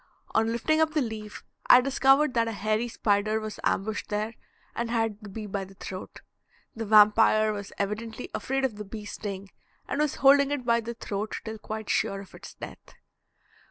On lifting up the leaf I discovered that a hairy spider was ambushed there and had the bee by the throat. The vampire was evidently afraid of the bee's sting, and was holding it by the throat till quite sure of its death.